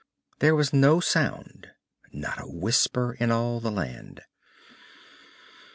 There was no sound, not a whisper, in all the land.